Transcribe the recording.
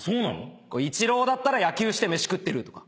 イチローだったら野球して飯食ってるとか。